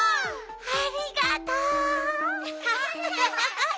ありがとう！